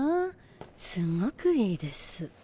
すんごくいいです。